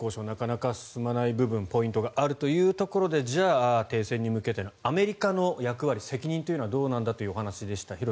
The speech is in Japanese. なかなか進まない部分ポイントがあるというところでじゃあ停戦に向けてのアメリカの役割、責任というのはどうなんだというお話でした。